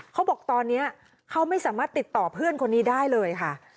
เขาบอกตอนนี้เขาไม่สามารถติดต่อเพื่อนคนนี้ได้เลยค่ะ